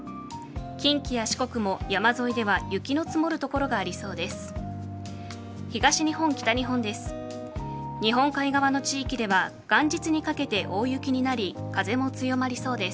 近畿や四国も、山沿いでは雪の積もる所がありそうです。